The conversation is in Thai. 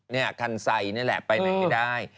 นี่คันไซนี่แหละไปไหนไม่ได้